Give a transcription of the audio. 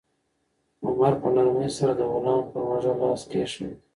عمر په نرمۍ سره د غلام پر اوږه لاس کېښود.